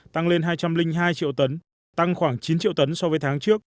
tăng lên hai trăm linh hai triệu tấn tăng khoảng chín triệu tấn so với tháng trước